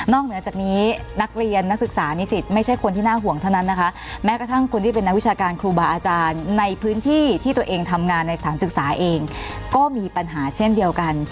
เหนือจากนี้นักเรียนนักศึกษานิสิตไม่ใช่คนที่น่าห่วงเท่านั้นนะคะแม้กระทั่งคนที่เป็นนักวิชาการครูบาอาจารย์ในพื้นที่ที่ตัวเองทำงานในสถานศึกษาเองก็มีปัญหาเช่นเดียวกัน